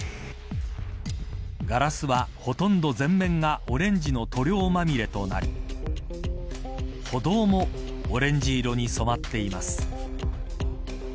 ガラスは、ほとんど全面がオレンジの塗料まみれとなり歩道もオレンジ色に染まっています。